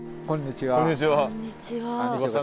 こんにちは。